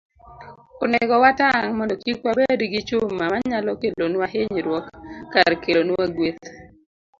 Onego watang' mondo kik wabed gi chuma manyalo kelonwa hinyruok kar kelonwa gweth.